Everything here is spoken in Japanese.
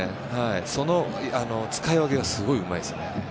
その使い分けがすごいうまいですね。